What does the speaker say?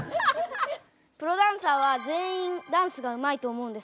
プロダンサーは全員ダンスがうまいと思うんですけど。